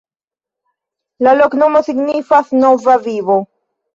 La loknomo signifas: Nova Vivo.